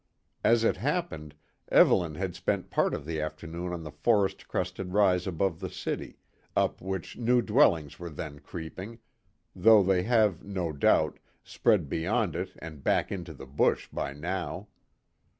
As it happened, Evelyn had spent part of the afternoon on the forest crested rise above the city, up which new dwellings were then creeping, though they have, no doubt, spread beyond it and back into the bush by now.